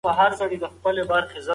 د خلکو شتمنۍ لوټ شوې.